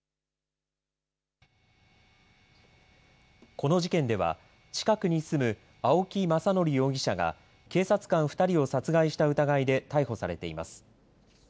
この事件では近くに住む青木政憲容疑者が警察官２人を殺害した疑いで逮捕されています。